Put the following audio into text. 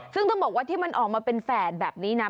ซึ่งต้องบอกว่าที่มันออกมาเป็นแฝดแบบนี้นะ